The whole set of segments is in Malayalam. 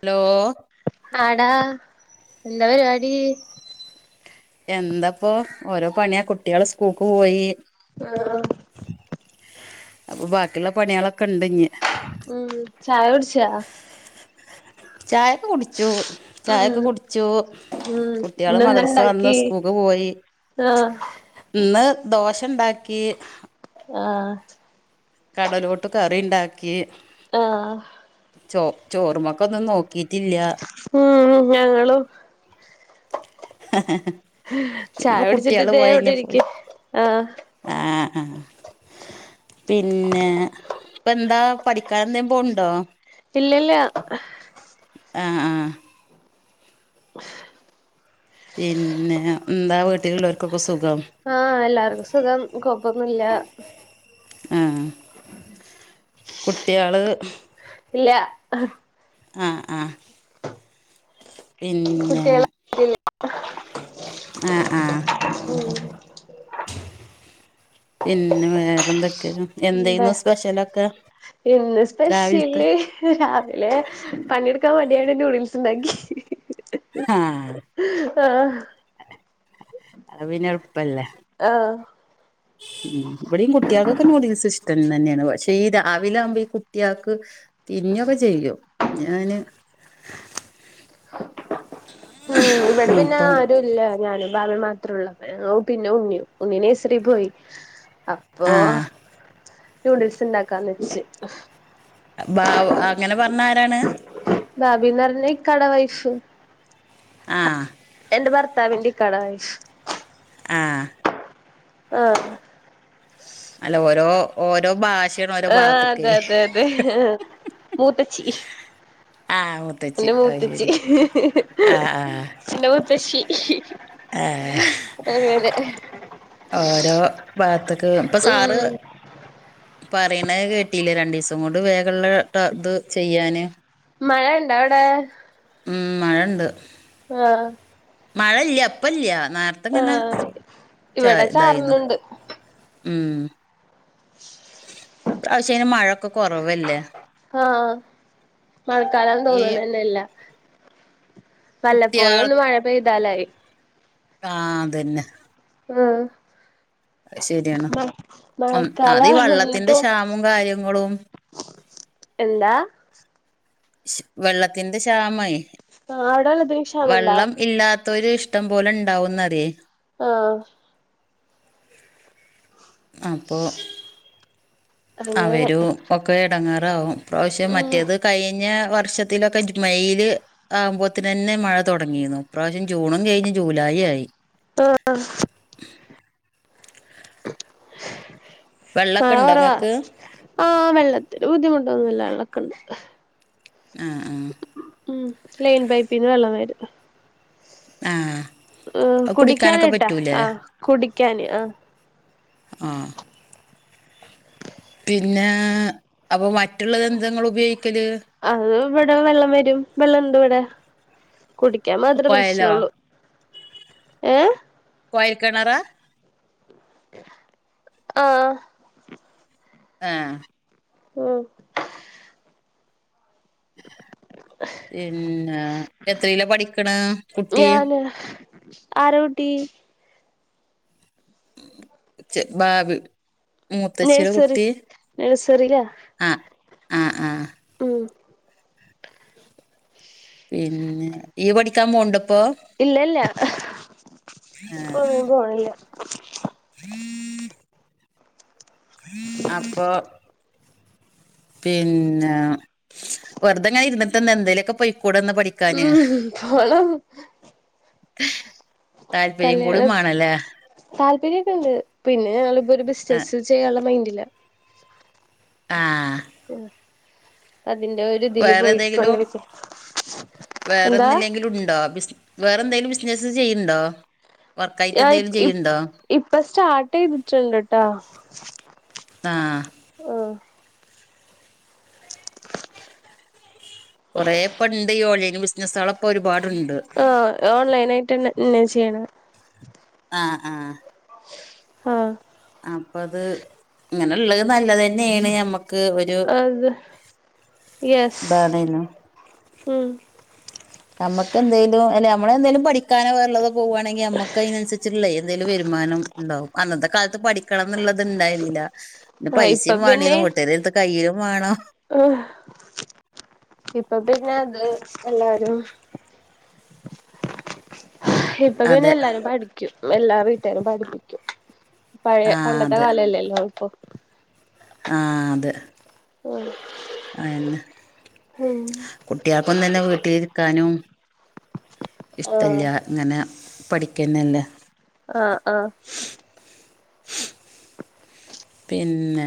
ഹലോ ആടാ എന്താ പരിപാടി എന്തപ്പോ ഓരോ പണിയാ കുട്ടികള് സ്കൂൾക്ക് പോയി ആഹ് അപ്പൊ ബാക്കിള്ള പണിയാളൊക്കണ്ട് ഇഞ് ഉം ചായുട്ച്ചാ ചയൊക്കെ കുടിച്ചു ചായൊക്കെ ഉം കുടിച്ചൂ ഉം കുട്ട്യാള് ഇന്നെന്താ മദർസ് വന്നു ഇണ്ടാക്കി സ്കൂക്ക് പോയി ആഹ് ആ ഇന്ന് ദോശണ്ടാക്കി ആഹ് കടലോട്ട് കറിണ്ടാക്കി ആഹ് ചോ ചോറ്മ്മക്കൊന്നും നോക്കിട്ടില്ല്യ ഉം ഉം ഞങ്ങളും പിന്നെപ്പോ ചായകുടിച്ചിട്ട് കുട്ടികള് തേ ഇവടെ പോയഴിഞ്ഞപ്പോ ഇരിക്കാ ആഹ് ആഹ് ആഹ് പിന്നെ ഇപ്പെന്താ പഠിക്കാൻ എന്തേം പോവുണ്ടോ ഇല്ല ല്ല്യ ആഹ് ആഹ് [inaudible] പിന്നെ ഇന്താ വീട്ടിലുള്ളോര്ക്കൊക്കെ സുഖം ആഹ് എല്ലാര്ക്കു സുഖം കൊയപ്പൊന്നുല്ല്യ ആഹ് [inaudible] കുട്ട്യാള് ഇല്ലാ ആഹ് ആഹ് പിന്നേ കുട്ടികള ആഹ് ആഹ് ഉം പിന്നെ വേറെന്തെക്കെ ഇന്താ ഇന്ന് രാവിൽത്തെ സ്പെഷ്യല് രാവിലെ പണിയെടുക്കാൻ മടിയായോണ്ട് നൂഡിൽസ് ഇണ്ടാക്കി ആ ആഹ് അത് പിന്നെ എളപ്പല്ലേ. ആഹ ഉം ഇവിടെയും കുട്ടികൾക്കെ നുഡിൽസ് ഇഷ്ടം തന്നെയാണ്. പക്ഷെ ഈ രാവിലെ ആകുമ്പോ ഈ കുട്ടികൾക്ക് തിന്നൊക്കെ ചെയ്യും ഞാന് ഉം ഇവിടെ പിന്നെ അപ്പം ആരുല്ല ഞാനും ബവയും മാ ത്രേ ഉള്ളു പിന്നെ ഉണ്ണി ഉണ്ണിനഴസരി പോയി അപ്പൊ ആ നൂഡിൽസ് ഉണ്ടാക്കാന്ന് വച്ച് ബാവ അങ്ങനെ പറഞ്ഞ ആരാണ്?. ഭാബീന്ന് പറഞ്ഞ ഇക്കാടെ വൈഫ്. ആഹ എൻ്റെ ഭർത്താവിൻ്റെ വ ഇക്കടെ വൈഫ്. ആഹ് ആഹ അല്ല ഓരോ ഓരോ ഭാഷയാണ് ഓരോ ആഹ് ഭാഗത്തക്കേ അതെ അതെ മൂത്തച്ചി. ആ് ഓ എന്റെ മൂത്തച്ചി, ആ എന്റെ മൂത്തച്ചി. ഏഹ് അങ്ങിനെ?. ഓരോ ഭാഗത്തക്ക് ഇപ്പൊ സാറ് ഉം പറയുന്നത് കെട്ടിയില്ലേ രണ്ടു ദിവസം കൊണ്ട് വേഗുള്ള ട്ട ഇത് ചെയ്യാന് മഴ ഇണ്ടോ അവിടെ ഉം മഴണ്ട്. ആഹ മഴ ഇല്ല ഇപ്പല്ല നേരത്തെങ്ങനെ ആഹ് ചേ ഇവിടെ ഇതായിരുന്നു. ചാറുന്നുണ്ട് ഉം പ്രാവശ്യത്തിന് മഴൊക്കെ കുറവല്ലേ?. ഓ മഴക്കാലാണ് ഈ തോന്നണന്നെ ഇല്ല. വല്ലപ്പോഴും കുട്ട്യാൾ ഒന്ന് മഴ പെയ്താലായി. ആ അതന്നെ ആഹ് അത് ശരിയാണ് മ ഉം അത് മഴക്കാലാ ഈ [unintelligible] വെള്ളത്തിന്റെ ട്ടോ. ക്ഷാമും കാര്യങ്ങളും എന്താ? വെള്ളത്തിന്റെ ക്ഷാമേ ആഹ് അവിടെള്ളതിന് ക്ഷാമണ്ടാ വെള്ളം ഇല്ലാത് ത്തൊരു ഇഷ്ടം പോലെ ഇണ്ടാവുന്നറിയേ ആഹ് അപ്പോ അങ്ങനെ അവര് ഒക്കെ ഇടങ്ങേറാവും. പ്രാവശ്യം ഉം മറ്റേത് കയിഞ്ഞ വർഷത്തിലൊക്കെ ജു മെയില് ആവുമ്പോത്തിനന്നെ മഴ തൊടങ്ങിരുന്നു. ഇപ്രാവശ്യം ജൂണും കഴിഞ്ഞ് ജൂലൈ ആയി. ആഹ് വെള്ളമൊക്കെ ഉണ്ടോ മഴകൊറവാ നിങ്ങൾക്ക് ആ വെള്ളത്തിന് ബുദ്ധിമുട്ടൊന്നുല്ല വെള്ളക്കിണ്ട്. ആഹ് ആഹ് ഉം ലൈൻ പൈപ്പിന്ന് വെള്ളം വരും. ആ ഏ അത് കുടിക്കാനൊക്കെ കുടിക്കാനായിട്ടാ പറ്റൂലേ ആഹ് കുടിക്കാന് ആഹ് ആഹ് പിന്നെ അപ്പോ മറ്റുള്ളത് എന്തെങ്ങളുപയോഗിക്കല് അത് ഇവിടെ വെള്ളം വരും. വെള്ളംണ്ട് ഇവിടെ കുടിക്കാൻ മാത്രേ കുഴലോ പ്രശ്നള്ളൂ. ഏഹ് കൊയൽ കിണറാ ആഹ് ആഹ് ആഹ് പിന്ന എത്രേയ്ലാ പഠിക്കണ കുട്ടി ആഹ് ആര്ടുട്ടി ചെ ബാവി മുത്തശ്ശിടെ നഴ്സറി കുട്ടി നഴ്സറിയിലാ ആ ആ ആഹ് ഉം പിന്നെ യ്യ് പഠിക്കാൻ പോണ്ടപ്പൊ ഇല്ലല്ല ഇപ്പൊ ഒന്നിനും പോണില്ല [unintelligible] അപ്പോ പിന്ന വെറ്തെങ്ങനെ ഇര്ന്ന [unintelligible] എന്തേലെക്ക പൊയിക്കൂടന്ന് പഠിക്കാൻ ഉം പോണം [unintelligible] താല്പര്യം കൂടി കല്യാണം മാണല്ലേ താല്പര്യൊക്കെണ്ട് പിന്നെ അള് പ്പ ഒരു ആഹ് ബിസ്നസ് ചെയ്യാള്ള മൈൻഡില ആഹ് അതിന്റെ ഒര് തിതില് വേറെ ഏതെങ്കിലും പൊയ്ക്കൊണ്ടിരിക്ക എന്താ ലുണ്ടോ ബിസ് വേറെന്തേലും ബിസ്നസ് ചെയ്യ്ണ്ടോ വർക്കായിട്ട് ആ എന്തെലും ഇപ് ഇപ് ചെയ്യ്ണ്ടോ ഇപ്പ സ്റ്റാർട്ടെയ്തിട്ടുണ്ടട്ടാ ആഹ് ആഹ് കൊറേ [unintelligible] ബിസ്നസ്സളൊക്കെ ഒരുപാടുണ്ട് ആ ഓൺലൈനായിട്ട്ന്നെ ന്നെ ചെയ്യ്ണെ ആഹ് ആഹ് ആഹ് അപ്പത് ഇങ്ങനെള്ളത് നല്ലതന്നെയാണ് ഞമ്മ അത് യെസ് ഇതാണേനും ഉം നമ്മക്കെന്തേലും എല്ലേ നമ്മടെ എന്തേലും പഠിക്കാനോ വേറൊള്ളത് പോവാണെങ്കി നമ്മുക്ക് അയിനനുസരിച്ചിള്ളേ എന്തേലും വരുമാനം ഇണ്ടാവും അന്നത്തെക്കാലത്ത് പഠി ക്കണംന്നുള്ളത് ഇണ്ടായിന്നില്ല പിന്നെ ആഹ് ഇപ്പൊ പൈസേം വേണ്ടിയത് വിട്ട്ക്കാരിടുത്ത് ക [unintelligible] വേണം ആഹ് ഇപ്പപ്പിന്നെ അത് എല്ലാരും ഇപ്പപ്പിന്നെ അതെ എല്ലാരും പഠിക്കും എല്ലാ വീട്ടുകാരും പഠിപ്പിക്കും പഴേയ ആ പണ്ടത്തെ അതെ കാലല്ലല്ലോ ഇപ്പോ ആഹ് അതെ ആഹ് അയെന്ന കുട്ടിയാൾക്കൊന്നന്നെ വീട്ടിലിരിക്കാനും ആഹ് ഇഷ്ടല്ല്യ ഇങ്ങനെ പഠിക്കന്നല്ലേ ആഹ് ആഹ് പിന്നെ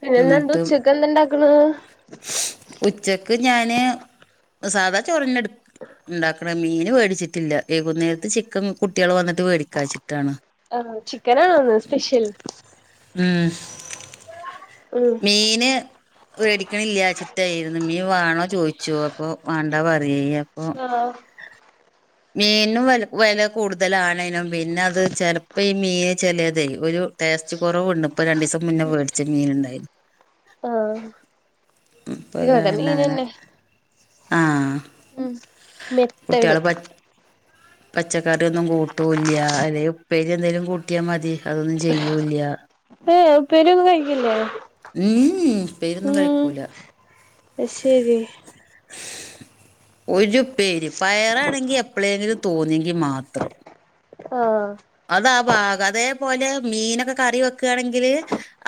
പിന്നെ ന്താ എന്നിട്ട് ഉച്ചക്ക് എന്ത്ണ്ടാക്കണ്? ഉച്ചക്ക് ഞാന് സാധാ ചോറന്നെടു ഇണ്ടാക്കണ് മീന് വേടിച്ചിട്ടില്ല വെകുന്നേരത്ത് ചിക്കൻ കുട്ടികള് വന്നിട്ട് വേടിക്കാ വച്ചിട്ടാണ് ആഹ് ചിക്കനണോ ഇന്ന് സ്പെഷ്യൽ ഉം ഉം മീന് വേടിക്കണില്ലച്ചിട്ടാരുന്നു മീ വാണോ ചോയിച്ചു അപ്പോ വേണ്ട പറയെ അപ്പോ ആഹ് മീനും വെ വെല കൂടുതലാണേനും പിന്നെ അത് ചെലപ്പോ ഈ മീൻ ചെലതേ ഒരു ടേസ്റ്റ് കൊറവോണ്ട് ഇപ്പോ രണ്ടിസം മുന്നേ വേടിച്ച മീനുണ്ടായി [inaudible] ആഹ് ഇപ്പൊ ഇവടെ കാരണം അങ്ങനെ മീനന്നെ ആഹ് ഉം മെത്തള് പച്ചക്കറിയൊന്നും കൂട്ടൂല്ല അതെ ഉപ്പേരി എന്തേലും കൂട്ട ട്ടിയ മതി അതൊന്നും ചെയ്യൂല്ല്യ ഏഹ് ഉപ്പേരിയൊന്നും കഴിക്കില്ലേ ഉം ഉപ്പേരിയൊന്നും ഉം കഴിക്കൂല ആ ശെരി ഒരുപ്പേരി പയറാണെങ്കി എപ്പളെങ്കിലും തോന്നിയെങ്കി മാത്രം ആഹ് അതാ ഭാഗം അതേപോലെ മീനൊക്കെ കറി വെക്കണെങ്കില്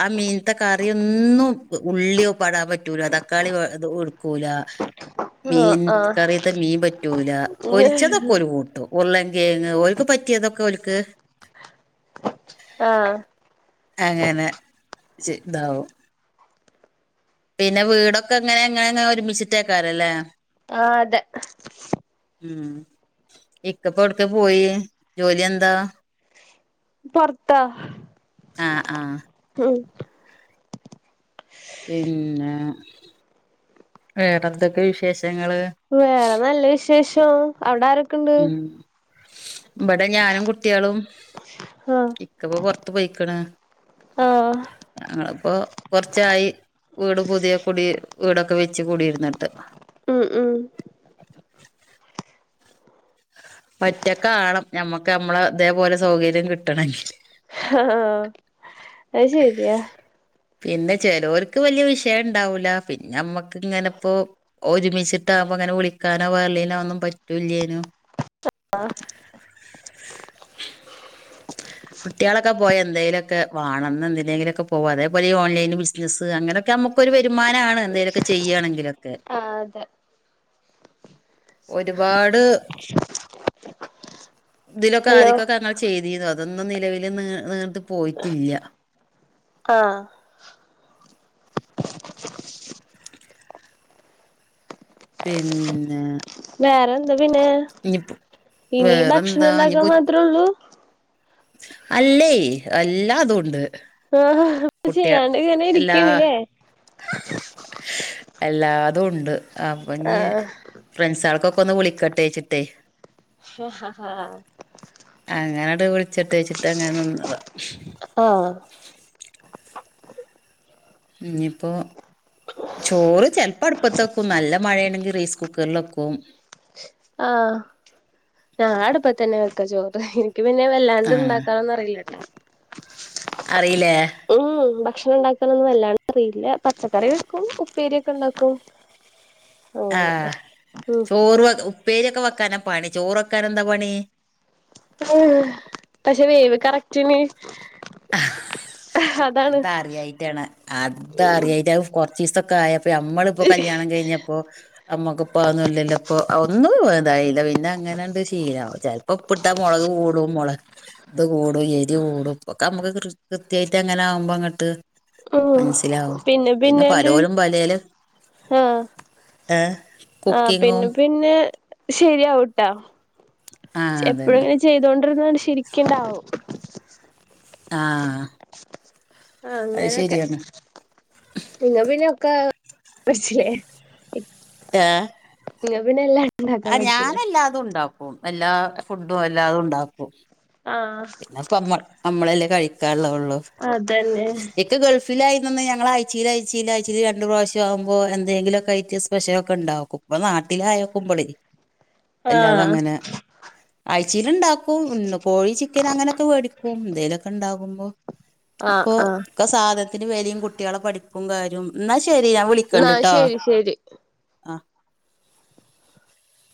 ആ മീനത്തെ കറിയൊന്നും ഉള്ളിയോ പാടൻ പറ്റൂല തക്കാളി ഒടുക്കൂല ആ [inaudible] മീൻ കറിയത്തെ മീൻ പറ്റൂല പൊരിച്ചതൊക്കെ ഓരു കൂട്ടും ഉരുള്ളൻ കെയങ്ങ് ഓല്ക്ക് പറ്റിയതൊക്കെ ഓല്ക്ക് ആഹ് അങ്ങനെ ഇതാവും പിന്നെ വീടൊക്കെ അങ്ങനെ ഇങ്ങനെ ഒരുമിച്ചിട്ടേക്കാറല്ലേ ആഹ് അതെ ഉം ഇക്കപ്പോവിടക്കാ പോയി ജോലി എന്താ? പൊറത്താ ആഹ് ആഹ് ഉം പിന്നെ വേറെന്തൊക്കെ വിശേഷങ്ങള് വേറെ നല്ല വി ശേഷം അവടര ഉം ഇവടെ ഞാനും കുട്ട്യളും ആഹ് ഇക്കപ്പോ പുൊർത്ത് പോയിക്ക്ണ്. ആഹ് ഞങ്ങള്പ്പോ കുറച്ചായി വീട് പുതിയ കുൂടി വീടൊക്കെ വെച്ച് കൂടിയിരുന്നിട്ട്. ം ം ഒറ്റക്കാകണം ഞമ്മക്ക് ഞമ്മള തേപോലെ സൗകര്യം കിട്ടണെങ്കില്. ഹ ഹ ഹാ അത് ശര്യാ. പിന്നെ ചിലൊൽക്ക് വല്ല്യ വിഷയംണ്ടാവൂലാ പിന്നെ ഞമ്മക്ക് ങ്ങനെപ്പോ ഒരുമിച്ചിട്ടാവുപോമ്പൊ ങ്ങനെ വിളിക്കാനോ വേർള്ളീനൊന്നും പറ്റൂല്ലേനും. അഹ് കുട്ടികളൊക്കെ പോയ എന്തെലൊക്കെ വാണം ന്ന എ ന്തിനേങ്കിലൊക്കെ അതേപോലെ ഈ ഓൺലൈൻ ബിസിനസ് അങ്ങനൊ നമുക്കൊരു വെരുമാനാണ് എന്തേലൊക്കെ ചെയ്യാണെങ്കിലൊക്കെ. ആഹ് അതെ. ഒരുപാട് തിലൊക്കെ ഹലോ ആദിക്കൊക്കെ ങ്ങൾ ചെയ്തീന്നു അതൊന്നും നിലവില് നി നീർ പോയിറ്റില്ല. ആഹ് പിന്നെ വേറെ എന്താ പിന്നെ ഇനിപ്പോ ഇനി വേറെന്താ ഭക്ഷണണ്ടാക്കാ ഇനിപ്പോ മാത്രോള്ളു. അല്ലേയ് അല്ലാതൂണ്ട്. ആഹ്ഹ [unintelligible] ചെയ്യാണ്ട് ങ്ങനെ ഇരിക്കണ്ല്ലേ? [unintelligible] എല്ലാതൂണ്ട് അപ്പൊ ഞി ആഹ് ഫ്രണ്ട്സോൾക്കൊക്കൊന്ന് വിളിക്കട്ടെച്ച്ട്ടേയ്. ഹ് ഹ ഹാ അങ്ങനെട് വ്ള്ച്ചട്ടെച്ചിട്ട് അങ്ങനെ ന്ന്ന്നു. ആഹ്. ഞിപ്പോ ചോറ് ചെൽപ്പോ അടുപ്പത്ത്ക്കും നല്ല മഴേണെങ്കി റൈസ് കുക്കറിലെക്കും. ആഹ് ഞാ അട്പ്പതന്നെ വെക്ക ചോറ് ഹ്. ക്ക് പിന്നെ ആ വല്ലാണ്ട് ണ്ടാക്കാനൊന്നു അറീല്ലട്ടോ. അറീല്ലേ? ഉം ഭക്ഷണണ്ടാക്കാനൊന്നും വല്ലാണ്ടറിയില്ല പച്ചക്കറി വെക്കും ഉപ്പേര്യൊക്കണ്ടാക്കും. [inaudible] ആഹ് ചോറ് വ ഉപ്പേര്യൊക്കെ വെക്കാനാ പണി ചോറ് വെക്കാനന്താ പണീ. അ് പക്ഷെ വേവ് കറക്റ്റ്ന്. അ്ഹ് അതറിയായിറ്റാണ് അത് അറിയായിറ്റ് കൊർച്ചീസൊക്കാ യ പ്പ ഞമ്മള്പ്പൊ കല്യാണം കയിഞ്ഞപ്പോ ഞമ്മക്ക്പ്പൊ അന്നോല്ലല്ലൊ പ്പൊ ഒന്നും ഇതായില്ല പിന്നെ അങ്ങനെണ്ട് ശീലാകും ചെ പ്പൊ പ്പ്ട്ട മൊളക് കൂടും മൊളെ ത് കൂടും എരി കൂടും. ഇപ്പൊക്കെ ഞമ്മക്ക് കൃ കൃത്യാ യിറ്റങ്ങനെ ആകുമ്പങ്ങ്ട്ട് ഓഹ് പിന്നെ പിന്നെങ്ട്ട് പലോരും പലേല് ആഹ് ഏഹ് ആഹ് കുക്കിങ്ങും പിന്നെ പിന്നെ ശരിയാവുട്ടാ ആഹ് അതന്നെ എപ്പോഴുങ്ങനെ ചെയ്തൊണ്ടിരുന്നാണ്ട് ശരിക്ക്ണ്ടാവും. ആഹ് അത് അങ്ങനൊക്കെ ശരിയാണ് നിങ്ങ പിന്നൊക്ക പഠ്ച്ച്ലെ ഏ ങ്ങ പിന്നെ എല്ലാ ആ ഞാനെല്ലാതുണ്ടാക്കും എല്ലാ ഫുഡും എല്ലാതുണ്ടാക്കും. ആഹ്. പിന്നെപ്പൊ നമ്മ നമ്മളല്ലേ കഴിക്കാള്ളതൊള്ളു. അതന്നെ. ഇക്ക ഗൾഫിലായീനന്ന് ഞങ്ങളാ യ്ച്ചീലായ്ചീലായ്ചീല് രണ്ട് പ്രാവശ്യം ആകുമ്പോ എന്തെങ്കിലൊക്കേയിറ്റ് സ്പെഷലൊക്കണ്ടാക്കും. ഇപ്പൊ നാട്ടിലായോക്കുമ്പള് അല്ലാതെ ആഹ് അങ്ങനെ ആഴ്ചയില് ഇണ്ടാക്കും പികോഴി ചി ക്കന് അങ്ങനൊക്കെ മേടിക്കും എന്തേലൊക്കെ ഉണ്ടാകുമ്പോ ആഹ് ഇപ്പൊ ആഹ് ഒക്കെ സാധനത്തിന് വേലിം കുട്യാളെ പഠിപ്പും കാര്യും ന്നാ ശെരി ഞാൻ ന്നാ വിളിക്കണ്ട് ട്ടോ ശരി ശരി ആ